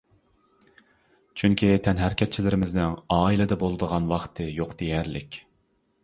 چۈنكى تەنھەرىكەتچىلىرىمىزنىڭ ئائىلىدە بولىدىغان ۋاقتى يوق دېيەرلىك.